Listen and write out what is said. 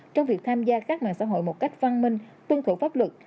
trong việc tham gia các mạng xã hội một cách văn minh tuân thủ pháp luật